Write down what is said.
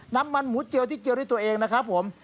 น้ำมันหมูเจียวที่เจียวด้วยตัวเองนะครับผม